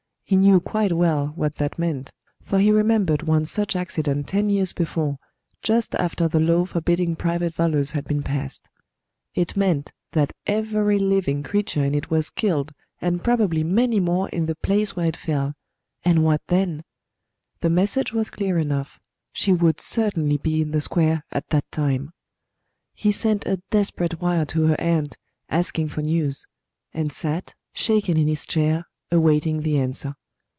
He knew quite well what that meant, for he remembered one such accident ten years before, just after the law forbidding private volors had been passed. It meant that every living creature in it was killed and probably many more in the place where it fell and what then? The message was clear enough; she would certainly be in the square at that time. He sent a desperate wire to her aunt asking for news; and sat, shaking in his chair, awaiting the answer.